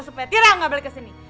supaya tiara gak balik kesini